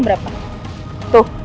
biasa buat kok